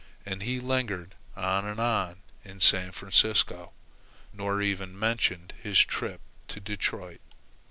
And he lingered on and on in San Francisco, nor even mentioned his trip to Detroit.